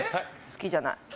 好きじゃないの？